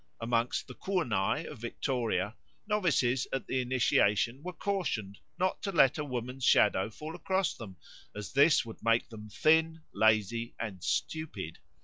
Amongst the Kurnai of Victoria novices at initiation were cautioned not to let a woman's shadow fall across them, as this would make them thin, lazy, and stupid.